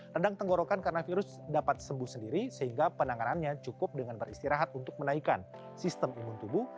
rendang tenggorokan karena virus dapat sembuh sendiri sehingga penanganannya cukup dengan beristirahat untuk menaikkan sistem imun tubuh